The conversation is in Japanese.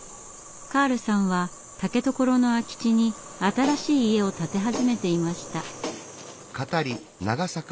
カールさんは竹所の空き地に新しい家を建て始めていました。